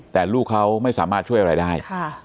แต่ลูกเขาไม่สามารถช่วยอะไรได้